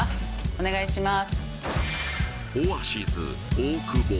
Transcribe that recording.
お願いします